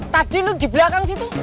tadi lu di belakang situ